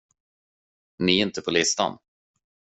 Ni är inte på listan.